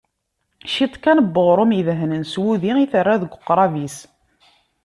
Ciṭ kan n uɣrum idehnen s wudi i terra deg uqrab-is.